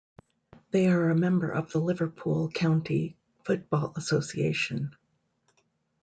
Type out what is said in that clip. They are a member of the Liverpool County Football Association.